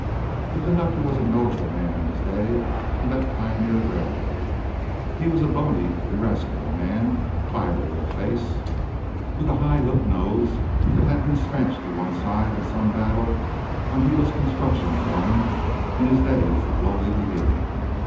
This conductor was a notable man in his day on that pioneer railroad. He was a bony, irascible man, fiery of face, with a high hook nose that had been smashed to one side in some battle when he was construction foreman in his days of lowly beginning.